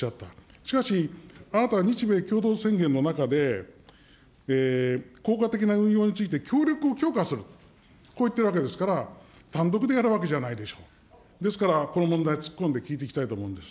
しかし、日米共同宣言の中で、効果的な運用について協力を強化する、こう言ってるわけですから、単独でやるわけじゃないでしょ、ですから、この問題突っ込んで聞いていきたいと思うんです。